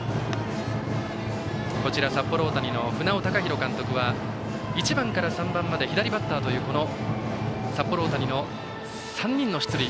札幌大谷の船尾隆広監督は１番から３番まで左バッターというこの札幌大谷の３人の出塁。